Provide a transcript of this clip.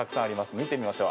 見てみましょう。